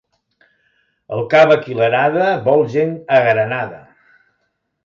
El càvec i l'arada vol gent agranada.